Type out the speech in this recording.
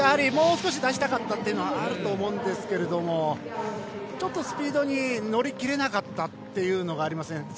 もう少し出したかったのはあると思いますけどちょっとスピードに乗り切れなかったというのがありますね。